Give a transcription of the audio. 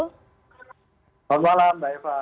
saat malam mbak eva